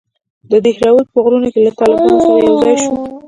د دهراوت په غرونوکښې له طالبانو سره يوځاى سو.